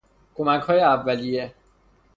کمکهای اولیه